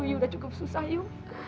sudah cukup susah kamu